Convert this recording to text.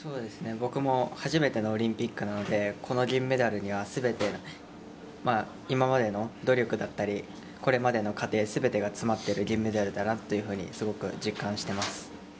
僕も初めてのオリンピックなのでこの銀メダルには全て今までの努力だったりこれまでの過程全てが詰まっている銀メダルだなとすごく実感しています。